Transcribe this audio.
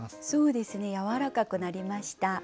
そうですねやわらかくなりました。